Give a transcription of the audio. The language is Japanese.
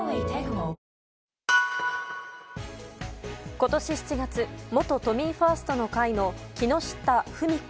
今年７月元都民ファーストの会の木下富美子